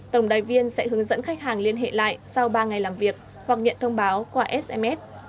tổng đài viên sẽ hướng dẫn khách hàng liên hệ lại sau ba ngày làm việc hoặc nhận thông báo qua sms